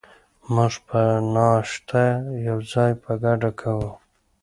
موږ به ناشته یوځای په ګډه کوو.